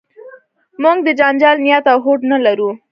موږ د جنجال نیت او هوډ نه لرو.